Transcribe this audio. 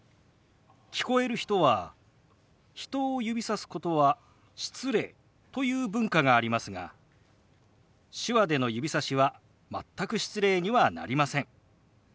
聞こえる人は「人を指さすことは失礼」という文化がありますが手話での指さしは全く失礼にはなりません。